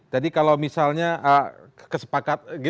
jadi kalau misalnya kesepakat